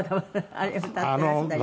あれ歌ってらしたり。